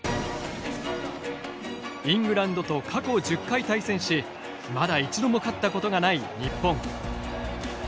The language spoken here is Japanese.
イングランドと過去１０回対戦しまだ一度も勝ったことがない日本。